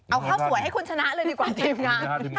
เอาข้าวสวยให้คุณชนะเลยดีกว่าทีมงาน